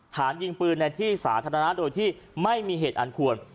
ฐานยิงปืนในที่สาธารณะโดยที่ไม่มีเหตุอันควร